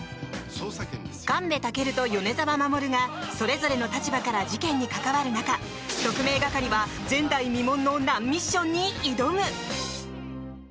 神戸尊と米沢守がそれぞれの立場から事件に関わる中特命係は前代未聞の難ミッションに挑む！